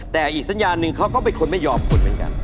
แต่อีกสัญญาณหนึ่งเขาก็เป็นคนไม่ยอมคนเหมือนกัน